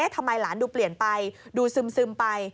ทำไมหลานดูเปลี่ยนไปดูซึมไป